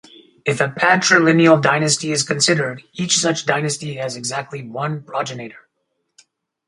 If a patrilineal dynasty is considered, each such dynasty has exactly one progenitor.